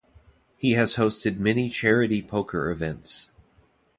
He has hosted many charity poker events.